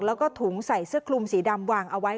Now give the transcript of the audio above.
แล้วก็ถุงใส่เสื้อคลุมสีดำวางเอาไว้